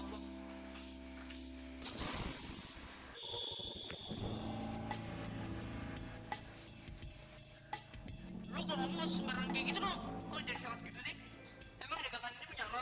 emang dekakan ini menjalankan apa